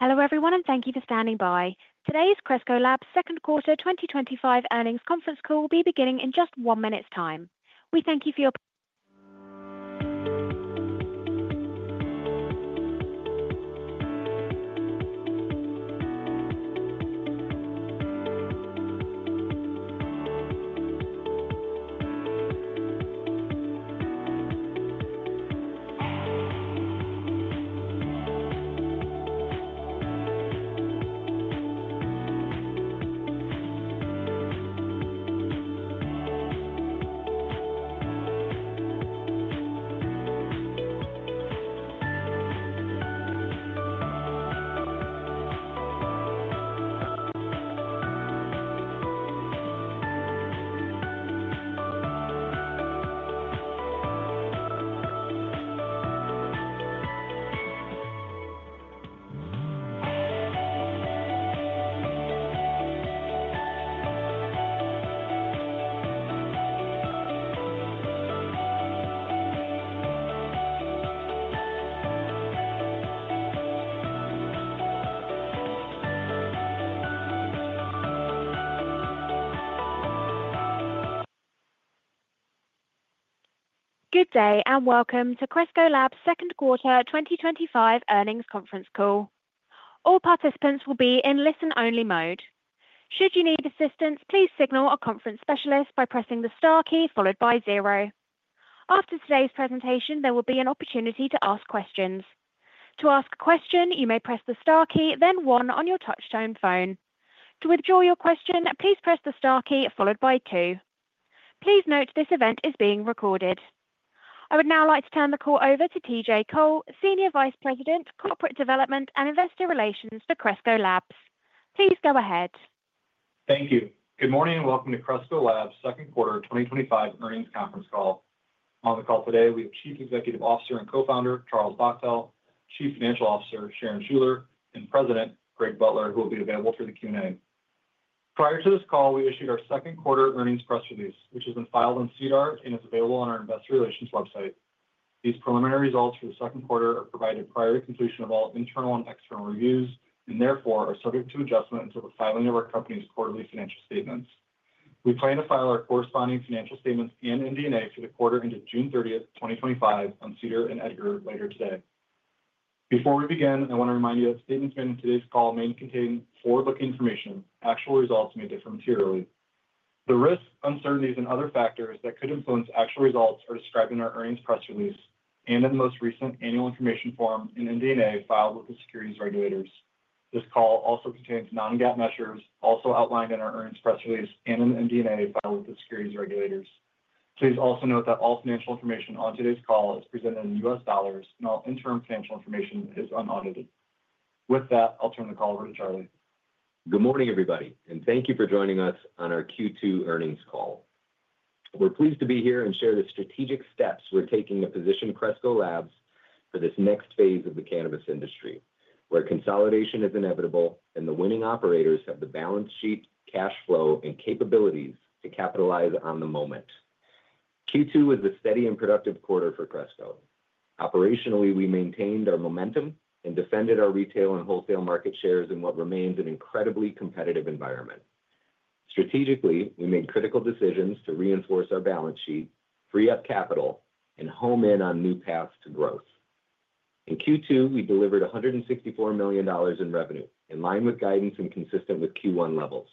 Hello everyone, and thank you for standing by. Today is Cresco Labs' Second Quarter 2025 Earnings Conference Call. We'll be beginning in just one minute. We thank you for your patience. Good day, and welcome to Cresco Labs' Second Quarter 2025 Earnings Conference Call. All participants will be in listen-only mode. Should you need assistance, please signal a conference specialist by pressing the star key followed by zero. After today's presentation, there will be an opportunity to ask questions. To ask a question, you may press the star key, then one on your touch-tone phone. To withdraw your question, please press the star key followed by two. Please note this event is being recorded. I would now like to turn the call over to TJ Cole, Senior Vice President, Corporate Development and Investor Relations for Cresco Labs. Please go ahead. Thank you. Good morning and welcome to Cresco Labs' Second Quarter 2025 Earnings Conference Call. On the call today, we have Chief Executive Officer and Co-Founder Charlie Bachtell, Chief Financial Officer Sharon Schuler, and President Greg Butler, who will be available for the Q&A. Prior to this call, we issued our second quarter earnings press release, which has been filed on SEDAR and is available on our Investor Relations website. These preliminary results for the second quarter are provided prior to completion of all internal and external reviews and therefore are subject to adjustment until the filing of our company's quarterly financial statements. We plan to file our corresponding financial statements and MD&A for the quarter ended June 30, 2025, on SEDAR and EDGAR later today. Before we begin, I want to remind you that the statements made in today's call may contain forward-looking information. Actual results may differ materially. The risks, uncertainties, and other factors that could influence actual results are described in our earnings press release and in the most recent annual information form and MD&A filed with the securities regulators. This call also contains non-GAAP measures also outlined in our earnings press release and in the MD&A filed with the securities regulators. Please also note that all financial information on today's call is presented in U.S. dollars, and all interim financial information is unaudited. With that, I'll turn the call over to Charlie. Good morning, everybody, and thank you for joining us on our Q2 earnings call. We're pleased to be here and share the strategic steps we're taking to position Cresco Labs for this next phase of the cannabis industry, where consolidation is inevitable and the winning operators have the balance sheets, cash flow, and capabilities to capitalize on the moment. Q2 was a steady and productive quarter for Cresco. Operationally, we maintained our momentum and defended our retail and wholesale market shares in what remains an incredibly competitive environment. Strategically, we made critical decisions to reinforce our balance sheet, free up capital, and hone in on new paths to growth. In Q2, we delivered $164 million in revenue, in line with guidance and consistent with Q1 levels,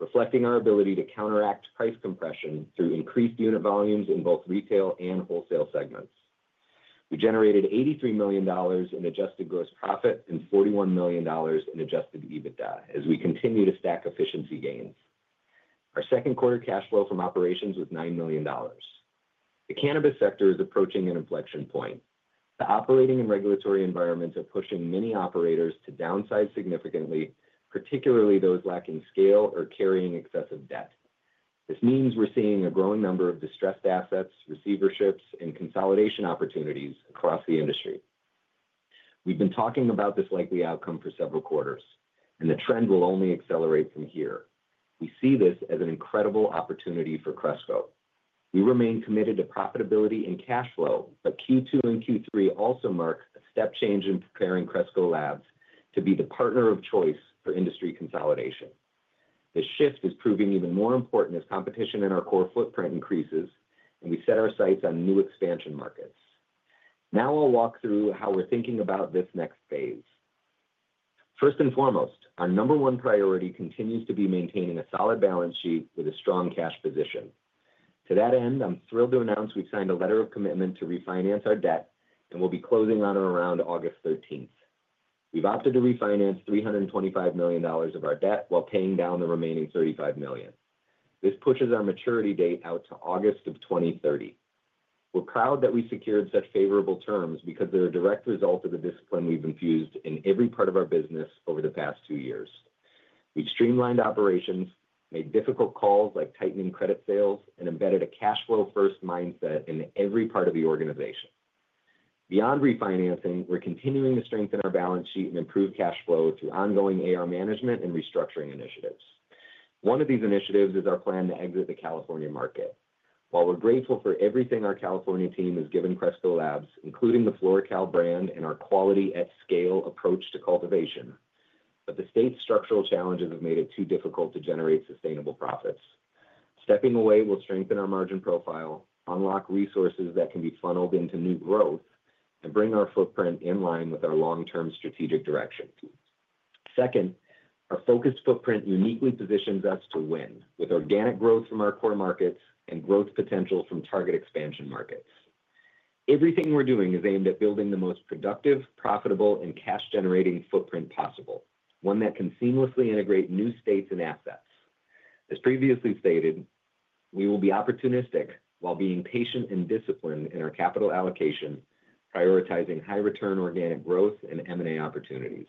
reflecting our ability to counteract price compression through increased unit volumes in both retail and wholesale segments. We generated $83 million in adjusted gross profit and $41 million in adjusted EBITDA as we continue to stack efficiency gains. Our second quarter cash flow from operations was $9 million. The cannabis sector is approaching an inflection point. The operating and regulatory environments are pushing many operators to downsize significantly, particularly those lacking scale or carrying excessive debt. This means we're seeing a growing number of distressed assets, receiverships, and consolidation opportunities across the industry. We've been talking about this likely outcome for several quarters, and the trend will only accelerate from here. We see this as an incredible opportunity for Cresco. We remain committed to profitability and cash flow, but Q2 and Q3 also mark a step change in preparing Cresco Labs to be the partner of choice for industry consolidation. This shift is proving even more important as competition in our core footprint increases, and we set our sights on new expansion markets. Now I'll walk through how we're thinking about this next phase. First and foremost, our number one priority continues to be maintaining a solid balance sheet with a strong cash position. To that end, I'm thrilled to announce we've signed a letter of commitment to refinance our debt, and we'll be closing on or around August 13th. We've opted to refinance $325 million of our debt while paying down the remaining $35 million. This pushes our maturity date out to August of 2030. We're proud that we secured such favorable terms because they're a direct result of the discipline we've infused in every part of our business over the past two years. We've streamlined operations, made difficult calls like tightening credit sales, and embedded a cash flow-first mindset in every part of the organization. Beyond refinancing, we're continuing to strengthen our balance sheet and improve cash flow through ongoing AR management and restructuring initiatives. One of these initiatives is our plan to exit the California market. While we're grateful for everything our California team has given Cresco Labs, including the FloraCal brand and our quality at scale approach to cultivation, the state's structural challenges have made it too difficult to generate sustainable profits. Stepping away will strengthen our margin profile, unlock resources that can be funneled into new growth, and bring our footprint in line with our long-term strategic direction. Second, our focused footprint uniquely positions us to win with organic growth from our core markets and growth potential from target expansion markets. Everything we're doing is aimed at building the most productive, profitable, and cash-generating footprint possible, one that can seamlessly integrate new states and assets. As previously stated, we will be opportunistic while being patient and disciplined in our capital allocation, prioritizing high-return organic growth and M&A opportunities.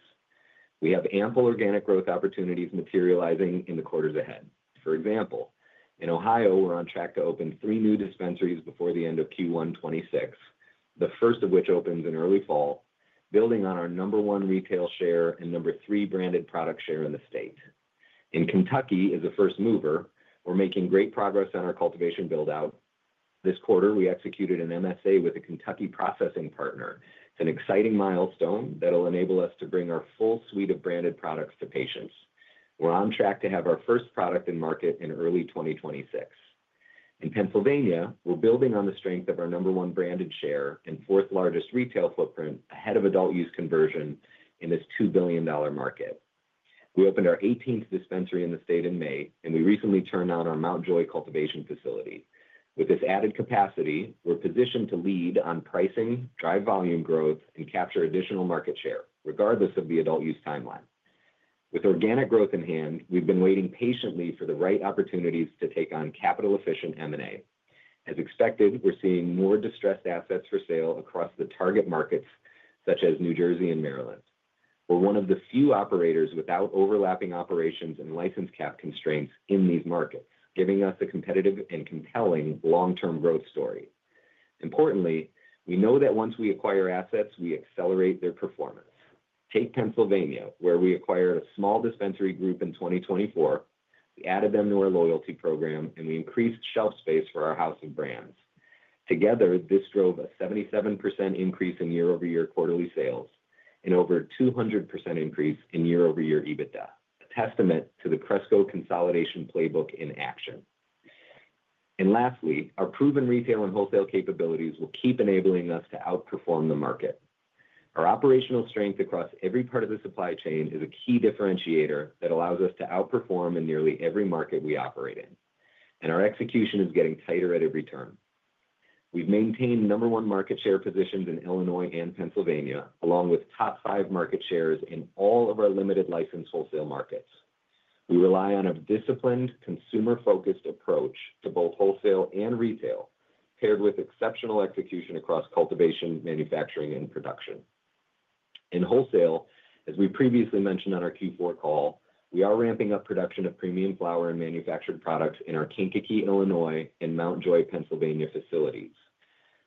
We have ample organic growth opportunities materializing in the quarters ahead. For example, in Ohio, we're on track to open three new dispensaries before the end of Q1 2026, the first of which opens in early fall, building on our number one retail share and number three branded product share in the state. In Kentucky as a first mover, we're making great progress on our cultivation buildout. This quarter, we executed an MSA with a Kentucky processing partner. It's an exciting milestone that'll enable us to bring our full suite of branded products to patients. We're on track to have our first product in market in early 2026. In Pennsylvania, we're building on the strength of our number one branded share and fourth largest retail footprint ahead of adult use conversion in this $2 billion market. We opened our 18th dispensary in the state in May, and we recently turned on our Mount Joy cultivation facility. With this added capacity, we're positioned to lead on pricing, drive volume growth, and capture additional market share regardless of the adult use timeline. With organic growth in hand, we've been waiting patiently for the right opportunities to take on capital-efficient M&A. As expected, we're seeing more distressed assets for sale across the target markets such as New Jersey and Maryland. We're one of the few operators without overlapping operations and license cap constraints in these markets, giving us a competitive and compelling long-term growth story. Importantly, we know that once we acquire assets, we accelerate their performance. Take Pennsylvania, where we acquired a small dispensary group in 2024. We added them to our loyalty program, and we increased shelf space for our house brands. Together, this drove a 77% increase in year-over-year quarterly sales and over a 200% increase in year-over-year EBITDA, a testament to the Cresco consolidation playbook in action. Lastly, our proven retail and wholesale capabilities will keep enabling us to outperform the market. Our operational strength across every part of the supply chain is a key differentiator that allows us to outperform in nearly every market we operate in, and our execution is getting tighter at every turn. We've maintained number one market share positions in Illinois and Pennsylvania, along with top five market shares in all of our limited license wholesale markets. We rely on a disciplined, consumer-focused approach to both wholesale and retail, paired with exceptional execution across cultivation, manufacturing, and production. In wholesale, as we previously mentioned on our Q4 call, we are ramping up production of premium flower and manufactured products in our Kankakee, Illinois, and Mount Joy, Pennsylvania facilities.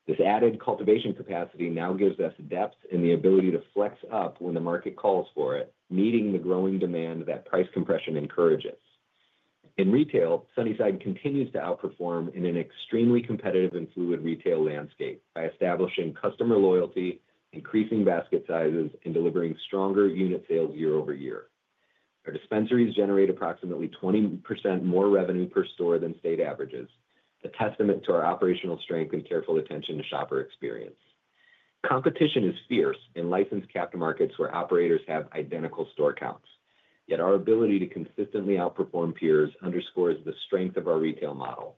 This added cultivation capacity now gives us depth and the ability to flex up when the market calls for it, meeting the growing demand that price compression encourages. In retail, Sunnyside continues to outperform in an extremely competitive and fluid retail landscape by establishing customer loyalty, increasing basket sizes, and delivering stronger unit sales year-over-year. Our dispensaries generate approximately 20% more revenue per store than state averages, a testament to our operational strength and careful attention to shopper experience. Competition is fierce in licensed cap markets where operators have identical store counts, yet our ability to consistently outperform peers underscores the strength of our retail model.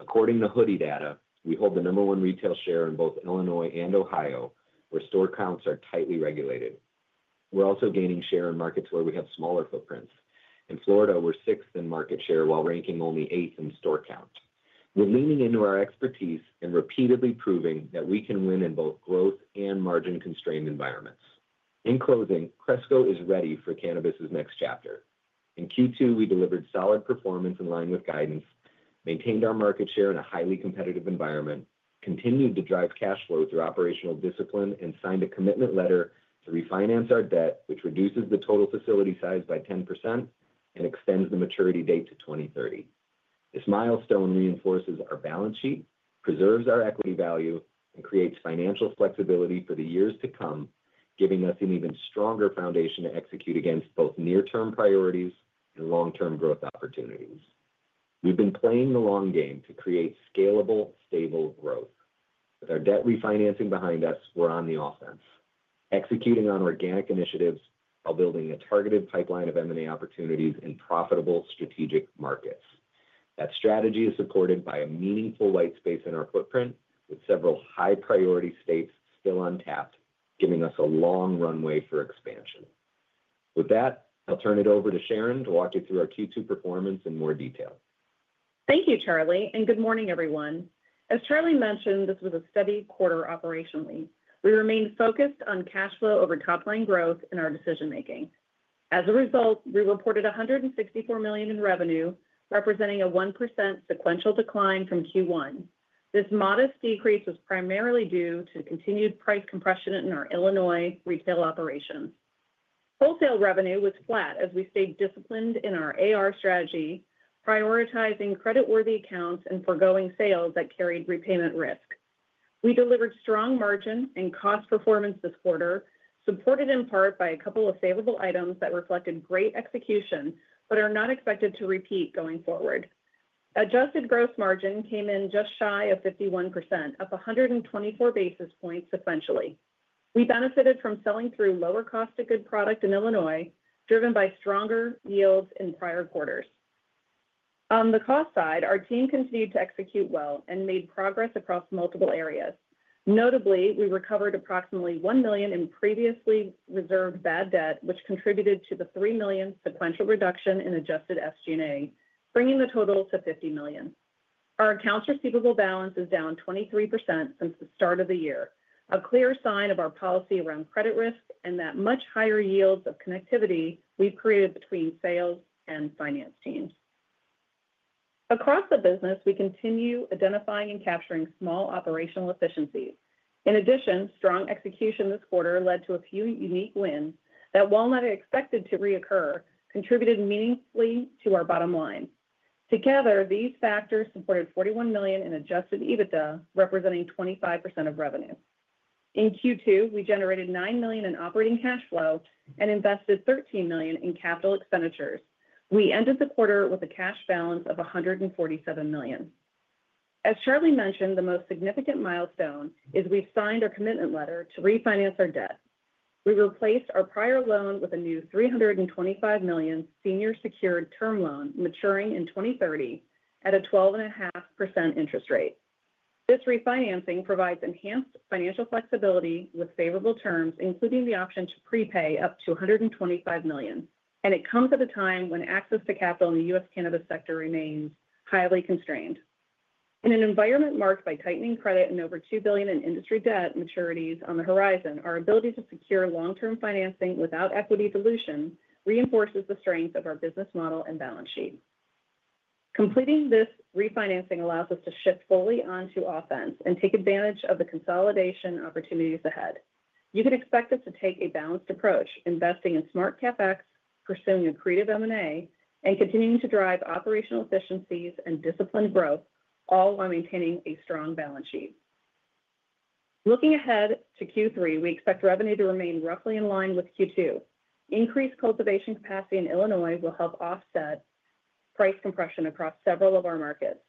According to Hoodie data, we hold the number one retail share in both Illinois and Ohio, where store counts are tightly regulated. We're also gaining share in markets where we have smaller footprints. In Florida, we're sixth in market share while ranking only eighth in store count. We're leaning into our expertise and repeatedly proving that we can win in both growth and margin-constrained environments. In closing, Cresco is ready for cannabis' next chapter. In Q2, we delivered solid performance in line with guidance, maintained our market share in a highly competitive environment, continued to drive cash flow through operational discipline, and signed a commitment letter to refinance our debt, which reduces the total facility size by 10% and extends the maturity date to 2030. This milestone reinforces our balance sheet, preserves our equity value, and creates financial flexibility for the years to come, giving us an even stronger foundation to execute against both near-term priorities and long-term growth opportunities. We've been playing the long game to create scalable, stable growth. With our debt refinancing behind us, we're on the offense, executing on organic initiatives while building a targeted pipeline of M&A opportunities in profitable strategic markets. That strategy is supported by a meaningful white space in our footprint, with several high-priority states still untapped, giving us a long runway for expansion. With that, I'll turn it over to Sharon to walk you through our Q2 performance in more detail. Thank you, Charlie, and good morning, everyone. As Charlie mentioned, this was a steady quarter operationally. We remained focused on cash flow over topline growth in our decision-making. As a result, we reported $164 million in revenue, representing a 1% sequential decline from Q1. This modest decrease was primarily due to continued price compression in our Illinois retail operation. Wholesale revenue was flat as we stayed disciplined in our AR strategy, prioritizing creditworthy accounts and foregoing sales that carried repayment risk. We delivered strong margin and cost performance this quarter, supported in part by a couple of salable items that reflected great execution but are not expected to repeat going forward. Adjusted gross margin came in just shy of 51%, up 124 basis points sequentially. We benefited from selling through lower cost of good product in Illinois, driven by stronger yields in prior quarters. On the cost side, our team continued to execute well and made progress across multiple areas. Notably, we recovered approximately $1 million in previously reserved bad debt, which contributed to the $3 million sequential reduction in adjusted SG&A, bringing the total to $50 million. Our accounts receivable balance is down 23% since the start of the year, a clear sign of our policy around credit risk and that much higher yields of connectivity we've created between sales and finance teams. Across the business, we continue identifying and capturing small operational efficiencies. In addition, strong execution this quarter led to a few unique wins that, while not expected to reoccur, contributed meaningfully to our bottom line. Together, these factors supported $41 million in adjusted EBITDA, representing 25% of revenue. In Q2, we generated $9 million in operating cash flow and invested $13 million in capital expenditures. We ended the quarter with a cash balance of $147 million. As Charlie mentioned, the most significant milestone is we've signed our commitment letter to refinance our debt. We replaced our prior loan with a new $325 million senior secured term loan, maturing in 2030 at a 12.5% interest rate. This refinancing provides enhanced financial flexibility with favorable terms, including the option to prepay up to $125 million, and it comes at a time when access to capital in the U.S. cannabis sector remains highly constrained. In an environment marked by tightening credit and over $2 billion in industry debt maturities on the horizon, our ability to secure long-term financing without equity dilution reinforces the strength of our business model and balance sheet. Completing this refinancing allows us to shift fully onto offense and take advantage of the consolidation opportunities ahead. You can expect us to take a balanced approach, investing in smart CapEx, pursuing accretive M&A, and continuing to drive operational efficiencies and disciplined growth, all while maintaining a strong balance sheet. Looking ahead to Q3, we expect revenue to remain roughly in line with Q2. Increased cultivation capacity in Illinois will help offset price compression across several of our markets.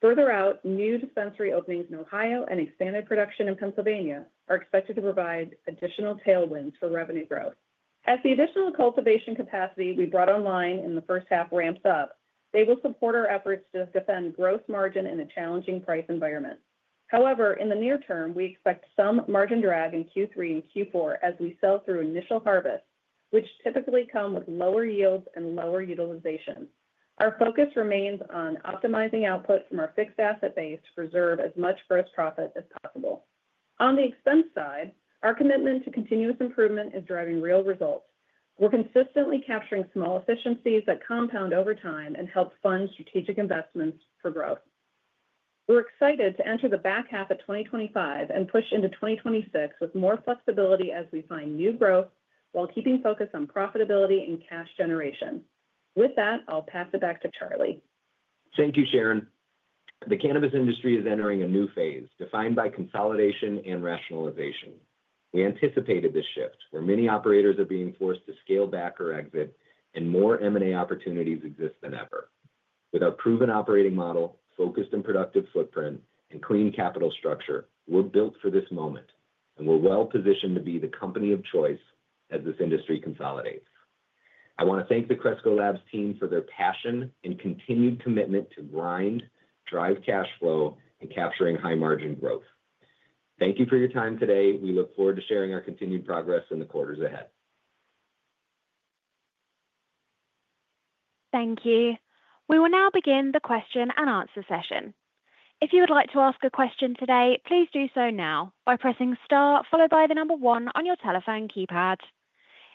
Further out, new dispensary openings in Ohio and expanded production in Pennsylvania are expected to provide additional tailwinds for revenue growth. As the additional cultivation capacity we brought online in the first half ramps up, they will support our efforts to defend gross margin in a challenging price environment. However, in the near-term, we expect some margin drag in Q3 and Q4 as we sell through initial harvests, which typically come with lower yields and lower utilization. Our focus remains on optimizing output from our fixed asset base to preserve as much gross profit as possible. On the expense side, our commitment to continuous improvement is driving real results. We're consistently capturing small efficiencies that compound over time and help fund strategic investments for growth. We're excited to enter the back half of 2025 and push into 2026 with more flexibility as we find new growth while keeping focus on profitability and cash generation. With that, I'll pass it back to Charlie. Thank you, Sharon. The cannabis industry is entering a new phase defined by consolidation and rationalization. We anticipated this shift, where many operators are being forced to scale back or exit, and more M&A opportunities exist than ever. With our proven operating model, focused and productive footprint, and clean capital structure, we're built for this moment, and we're well positioned to be the company of choice as this industry consolidates. I want to thank the Cresco Labs team for their passion and continued commitment to grind, drive cash flow, and capturing high margin growth. Thank you for your time today. We look forward to sharing our continued progress in the quarters ahead. Thank you. We will now begin the question and answer session. If you would like to ask a question today, please do so now by pressing star followed by the number one on your telephone keypad.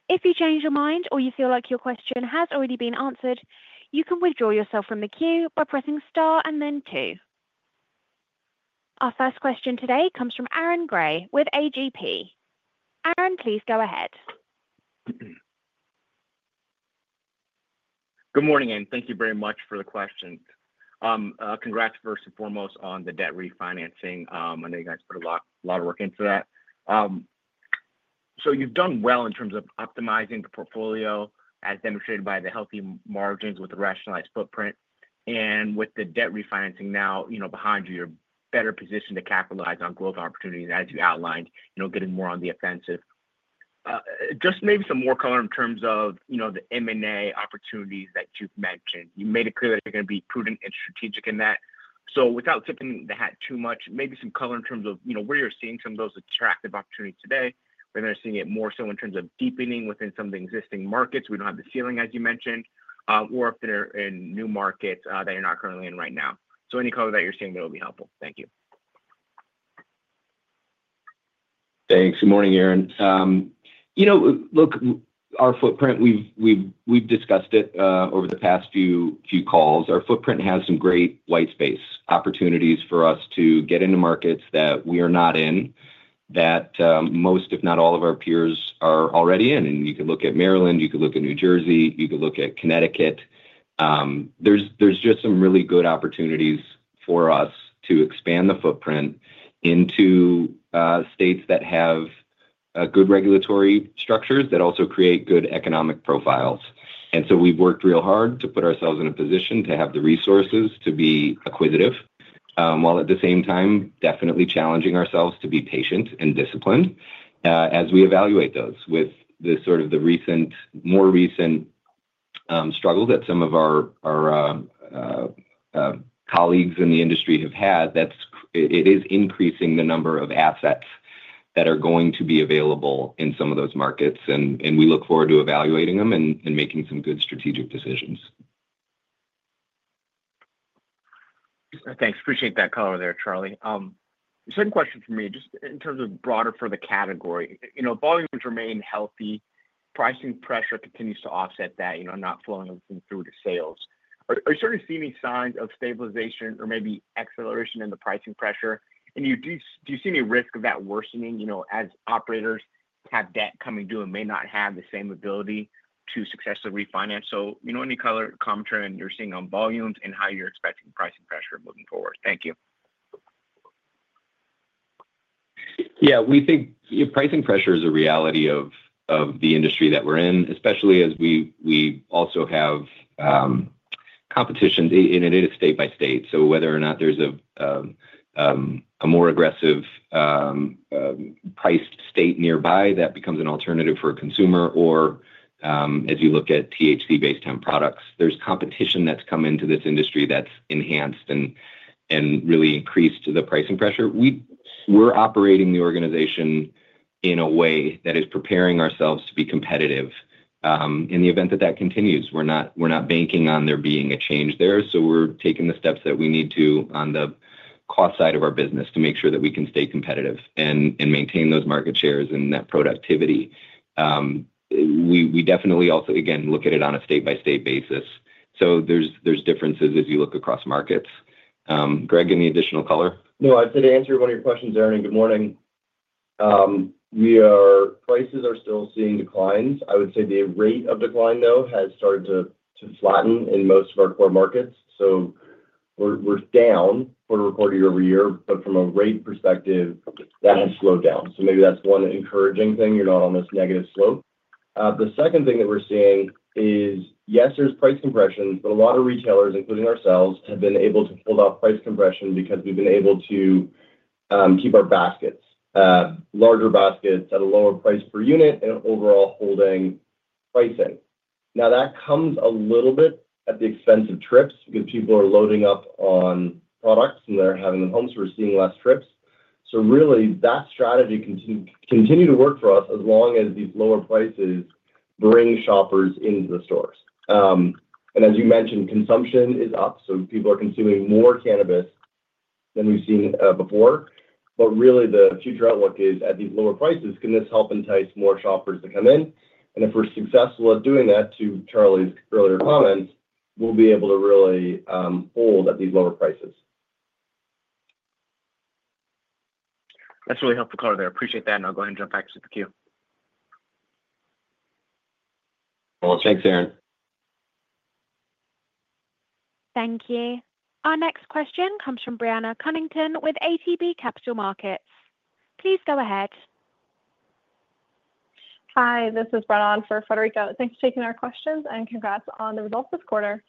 If you change your mind or you feel like your question has already been answered, you can withdraw yourself from the queue by pressing star and then two. Our first question today comes from Aaron Grey with A.G.P. Aaron, please go ahead. Good morning, and thank you very much for the question. Congrats first and foremost on the debt refinancing. I know you guys put a lot of work into that. You've done well in terms of optimizing the portfolio as demonstrated by the healthy margins with a rationalized footprint. With the debt refinancing now behind you, you're better positioned to capitalize on growth opportunities as you outlined, getting more on the offensive. Maybe some more color in terms of the M&A opportunities that you've mentioned. You made it clear that you're going to be prudent and strategic in that. Without tipping the hat too much, maybe some color in terms of where you're seeing some of those attractive opportunities today. We're seeing it more so in terms of deepening within some of the existing markets. We don't have the ceiling, as you mentioned, or up there in new markets that you're not currently in right now. Any color that you're seeing, that'll be helpful. Thank you. Thanks. Good morning, Aaron. You know, look, our footprint, we've discussed it over the past few calls. Our footprint has some great white space opportunities for us to get into markets that we are not in, that most, if not all, of our peers are already in. You could look at Maryland, you could look at New Jersey, you could look at Connecticut. There's just some really good opportunities for us to expand the footprint into states that have good regulatory structures that also create good economic profiles. We've worked real hard to put ourselves in a position to have the resources to be acquisitive, while at the same time definitely challenging ourselves to be patient and disciplined as we evaluate those with the more recent struggle that some of our colleagues in the industry have had. That is increasing the number of assets that are going to be available in some of those markets. We look forward to evaluating them and making some good strategic decisions. Thanks. Appreciate that color there, Charlie. A certain question for me just in terms of broader for the category. You know, volumes remain healthy. Pricing pressure continues to offset that, not flowing through to sales. Are you starting to see any signs of stabilization or maybe acceleration in the pricing pressure? Do you see any risk of that worsening, as operators have debt coming due and may not have the same ability to successfully refinance? Any color commentary on what you're seeing on volumes and how you're expecting pricing pressure moving forward? Thank you. Yeah, we think pricing pressure is a reality of the industry that we're in, especially as we also have competition in it state by state. Whether or not there's a more aggressively priced state nearby that becomes an alternative for a consumer, or as you look at THC-based temp products, there's competition that's come into this industry that's enhanced and really increased the pricing pressure. We're operating the organization in a way that is preparing ourselves to be competitive. In the event that that continues, we're not banking on there being a change there. We're taking the steps that we need to on the cost side of our business to make sure that we can stay competitive and maintain those market shares and that productivity. We definitely also, again, look at it on a state-by-state basis. There's differences as you look across markets. Greg, any additional color? No, I'd say to answer one of your questions, Aaron, good morning. Prices are still seeing declines. I would say the rate of decline, though, has started to flatten in most of our core markets. We're down quarter-over-quarter, year-over-year, but from a rate perspective, that has slowed down. Maybe that's one encouraging thing. You're not on this negative slope. The second thing that we're seeing is, yes, there's price compression, but a lot of retailers, including ourselves, have been able to hold off price compression because we've been able to keep our baskets, larger baskets at a lower price per unit and overall holding pricing. That comes a little bit at the expense of trips because people are loading up on products and they're having them home, so we're seeing less trips. That strategy continues to work for us as long as these lower prices bring shoppers into the stores. As you mentioned, consumption is up. People are consuming more cannabis than we've seen before. The future outlook is at these lower prices, can this help entice more shoppers to come in? If we're successful at doing that, to Charlie's earlier comments, we'll be able to really hold at these lower prices. That's really helpful color there. I appreciate that. I'll go ahead and jump back to the queue. Thank you, Aaron. Thank you. Our next question comes from Brenna Cunnington with ATB Capital Markets. Please go ahead. Hi, this is Brianna for Frederico. Thanks for taking our questions and congrats on the results this quarter.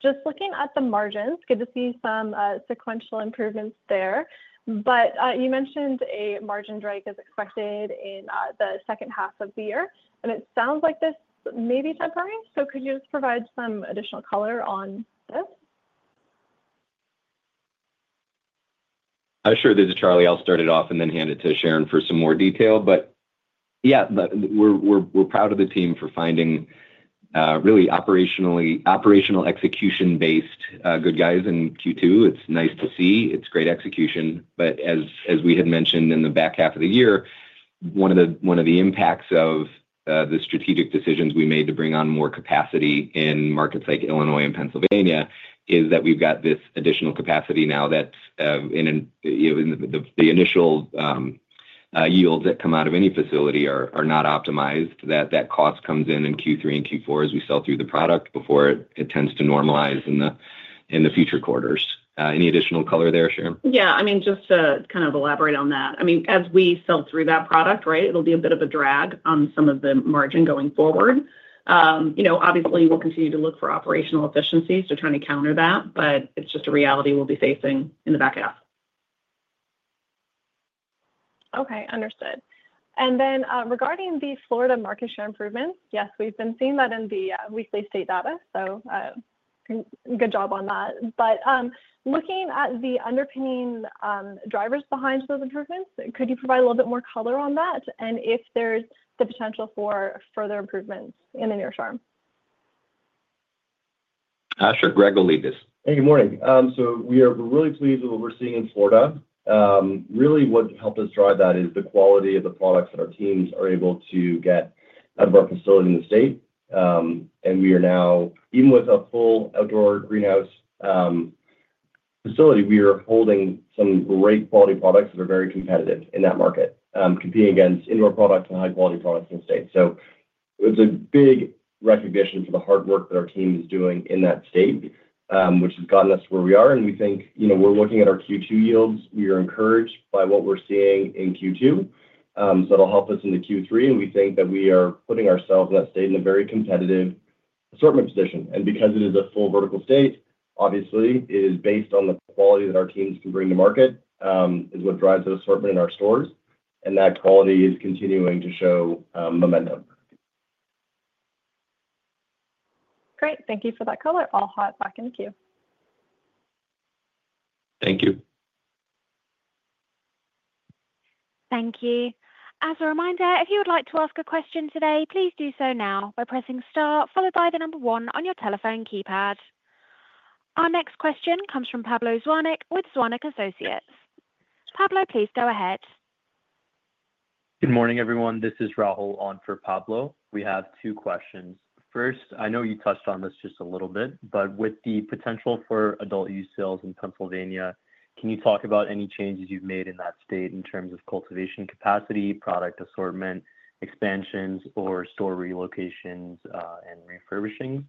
Just looking at the margins, good to see some sequential improvements there. You mentioned a margin drag is expected in the second half of the year. It sounds like this may be temporary. Could you just provide some additional color on this? I'm sure there's a Charlie. I'll start it off and then hand it to Sharon for some more detail. Yeah, we're proud of the team for finding really operational execution-based good guys in Q2. It's nice to see. It's great execution. As we had mentioned in the back half of the year, one of the impacts of the strategic decisions we made to bring on more capacity in markets like Illinois and Pennsylvania is that we've got this additional capacity now that the initial yields that come out of any facility are not optimized. That cost comes in in Q3 and Q4 as we sell through the product before it tends to normalize in the future quarters. Any additional color there, Sharon? Yeah, I mean, just to kind of elaborate on that. As we sell through that product, right, it'll be a bit of a drag on some of the margin going forward. You know, obviously, we'll continue to look for operational efficiencies to try to counter that. It's just a reality we'll be facing in the back half. Okay, understood. Regarding the Florida market share improvements, yes, we've been seeing that in the weekly state data. Good job on that. Looking at the underpinning drivers behind those improvements, could you provide a little bit more color on that? If there's the potential for further improvements in the near-term? Patrick Regalides. Hey, good morning. We are willing to lead to what we're seeing in Florida. Really, what helped us drive that is the quality of the products that our teams are able to get at our facility in the state. We are now, even with a full outdoor greenhouse facility, holding some great quality products that are very competitive in that market, competing against indoor products and high-quality products in the state. It's a big recognition for the hard work that our team is doing in that state, which has gotten us to where we are. We think, you know, we're looking at our Q2 yields. We are encouraged by what we're seeing in Q2. That'll help us in Q3. We think that we are putting ourselves in that state in a very competitive assortment position. Because it is a full vertical state, obviously, it is based on the quality that our teams can bring to market, which drives the assortment in our stores. That quality is continuing to show momentum. Great. Thank you for that color. I'll hop back in the queue. Thank you. Thank you. As a reminder, if you would like to ask a question today, please do so now by pressing star followed by the number one on your telephone keypad. Our next question comes from Pablo Zuanic with Zuanic & Associates. Pablo, please go ahead. Good morning, everyone. This is Rahul on for Pablo. We have two questions. First, I know you touched on this just a little bit, but with the potential for adult use sales in Pennsylvania, can you talk about any changes you've made in that state in terms of cultivation capacity, product assortment, expansions, or store relocations and refurbishing?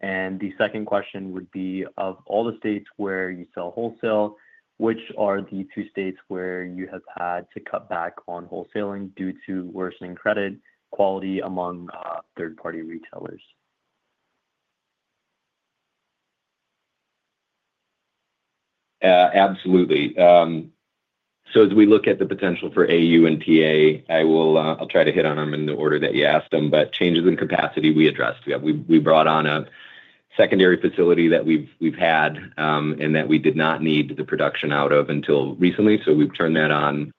The second question would be, of all the states where you sell wholesale, which are the two states where you have had to cut back on wholesaling due to worsening credit quality among third-party retailers? Yeah, absolutely. As we look at the potential for AU and TA, I will try to hit on them in the order that you asked them. Changes in capacity, we addressed. We brought on a secondary facility that we've had and that we did not need the production out of until recently. We've turned that on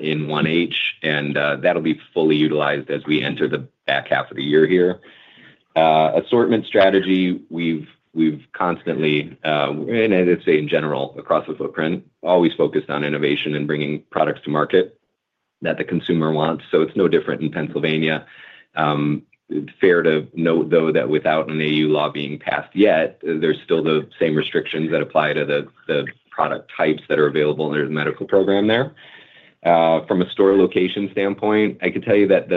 in 1H, and that'll be fully utilized as we enter the back half of the year here. Assortment strategy, we've constantly, and I'd say in general, across the footprint, always focused on innovation and bringing products to market that the consumer wants. It's no different in Pennsylvania. It's fair to note, though, that without an AU law being passed yet, there's still the same restrictions that apply to the product types that are available in the medical program there. From a store location standpoint, I could tell you that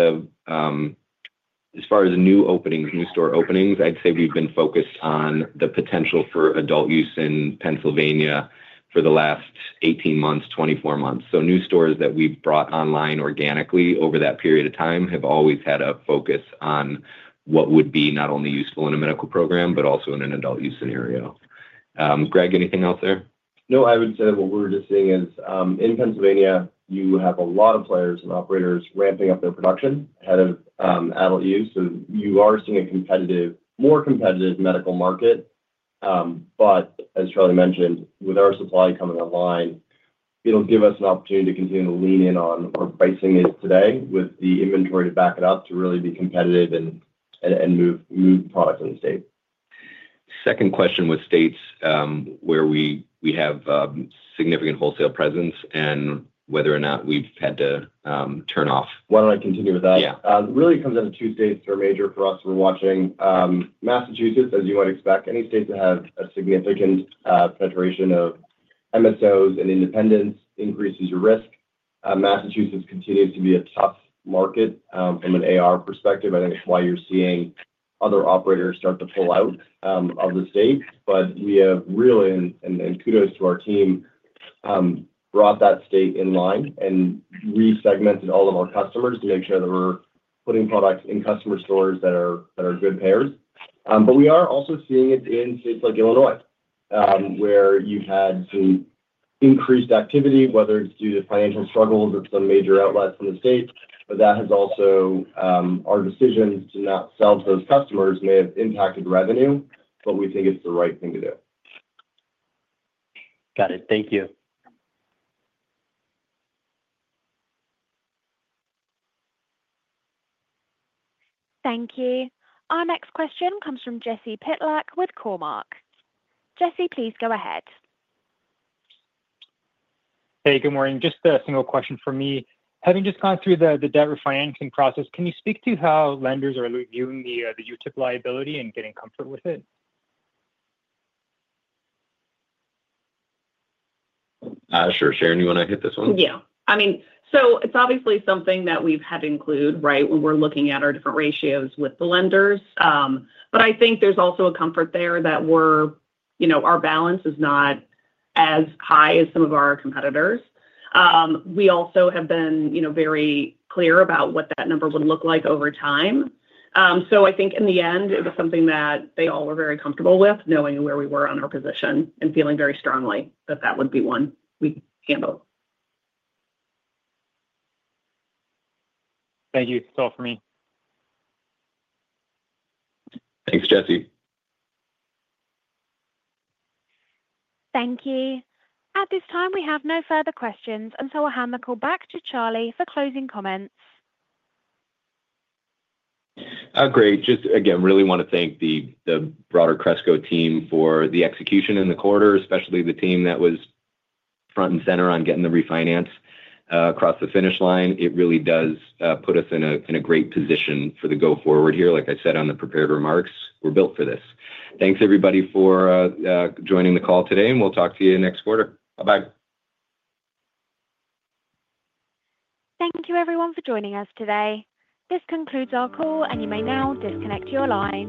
as far as the new openings, new store openings, I'd say we've been focused on the potential for adult use in Pennsylvania for the last 18 months, 24 months. New stores that we've brought online organically over that period of time have always had a focus on what would be not only useful in a medical program, but also in an adult use scenario. Greg, anything else there? No, I would say what we're just seeing is in Pennsylvania, you have a lot of players and operators ramping up their production ahead of adult use. You are seeing a more competitive medical market. As Charlie mentioned, with our supply coming online, it'll give us an opportunity to continue to lean in on what pricing is today with the inventory to back it up to really be competitive and move product to the state. Second question with states where we have significant wholesale presence and whether or not we've had to turn off. Why don't I continue with that? Yeah. Really, it comes down to two states that are major for us. We're watching Massachusetts, as you might expect. Any states that have a significant penetration of MSOs and independence increases your risk. Massachusetts continues to be a tough market from an AR perspective. I think that's why you're seeing other operators start to pull out of the state. We have really, and kudos to our team, brought that state in line and resegmented all of our customers to make sure that we're putting products in customer stores that are good pairs. We are also seeing it in states like Illinois, where you've had some increased activity, whether it's due to financial struggles or some major outlets in the state. That has also, our decision to not sell to those customers may have impacted revenue, but we think it's the right thing to do. Got it. Thank you. Thank you. Our next question comes from Jesse Pytlak with Cormark. Jesse, please go ahead. Hey, good morning. Just a single question from me. Having just gone through the debt refinancing process, can you speak to how lenders are reviewing the UTIP liability and getting comfortable with it? Sure. Sharon, you want to hit this one? Yeah. It's obviously something that we've had to include when we're looking at our different ratios with the lenders. I think there's also a comfort there that our balance is not as high as some of our competitors. We also have been very clear about what that number would look like over time. I think in the end, it was something that they all were very comfortable with, knowing where we were on our position and feeling very strongly that that would be one we can handle. Thank you. That's all for me. Thanks, Jesse. Thank you. At this time, we have no further questions, and I'll hand the call back to Charlie for closing comments. Great. Just again, really want to thank the broader Cresco team for the execution in the quarter, especially the team that was front and center on getting the refinance across the finish line. It really does put us in a great position for the go-forward here. Like I said on the prepared remarks, we're built for this. Thanks, everybody, for joining the call today, and we'll talk to you next quarter. Bye-bye. Thank you, everyone, for joining us today. This concludes our call, and you may now disconnect your line.